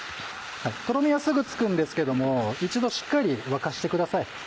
とろみはすぐつくんですけども一度しっかり沸かしてください。